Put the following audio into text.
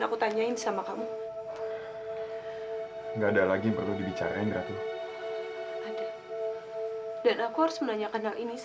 kita kan masih bisa jadi temen ya kan